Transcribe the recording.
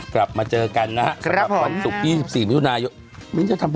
กลับมาเจอกันนะฮะครับผมสุข๒๔นาทีนี่เจโลอ่า